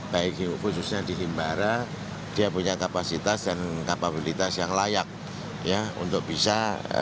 baik khususnya di himbara dia punya kapasitas dan kapabilitas yang layak untuk bisa